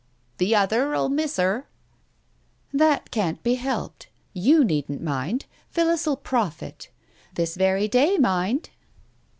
"The other '11 miss her!" "That can't be helped. You needn't mind— Phillis '11 profit. This very day, mind